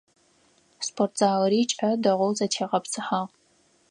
Спортзалыри кӏэ, дэгъоу зэтегъэпсыхьагъ.